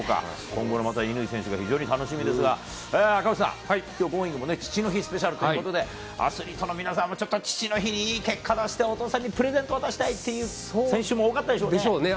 今後のまた乾選手が、非常に楽しみですが、赤星さん、きょう、Ｇｏｉｎｇ！も父の日スペシャルということで、アスリートの皆さんも、ちょっと父の日にいい結果出して、お父さんにプレゼント渡したいっていう選手も多かったでしょうね。でしょうね。